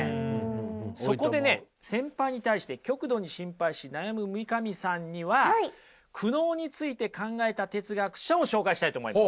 そこでね先輩に対して極度に心配し悩む三上さんには苦悩について考えた哲学者を紹介したいと思います。